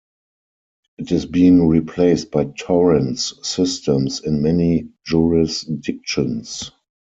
It is being replaced by Torrens systems in many jurisdictions.